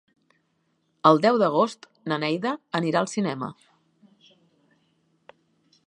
El deu d'agost na Neida anirà al cinema.